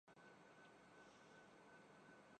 جب ارے راہ کو پتہ چلا